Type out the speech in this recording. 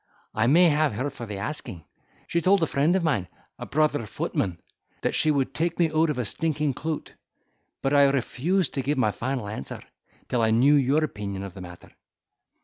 I may have her for the asking. She told a friend of mine, a brother footman, that she would take me out of a stinking clout. But I refused to give my final answer, till I knew your opinion of the matter."